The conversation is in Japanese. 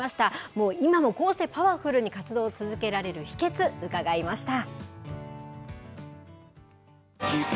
もう今もこうしてパワフルに活動を続けられる秘けつ、伺いました。